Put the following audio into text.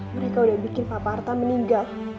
mereka udah bikin papa arta meninggal